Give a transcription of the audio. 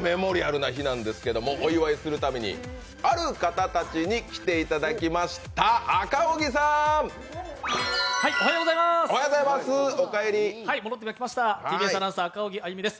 メモリアルな日なんですけどお祝いするために、ある方たちに来ていただきました、赤荻さん。戻ってきましたＴＢＳアナウンサー、赤荻歩です。